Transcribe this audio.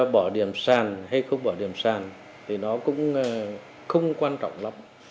bỏ điểm sàn hay không bỏ điểm sàn thì nó cũng không quan trọng lắm